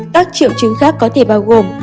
các triệu chứng khác có thể bao gồm